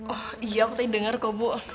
oh iya aku tadi dengar kok bu